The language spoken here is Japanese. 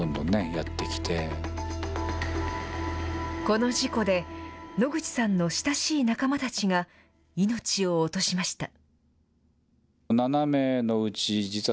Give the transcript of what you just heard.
この事故で、野口さんの親しい仲間たちが、命を落としました。